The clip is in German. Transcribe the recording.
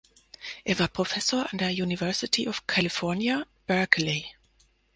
Er war Professor an der University of California, Berkeley.